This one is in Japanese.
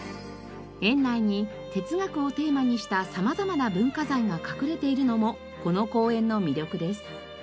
園内に哲学をテーマにした様々な文化財が隠れているのもこの公園の魅力です。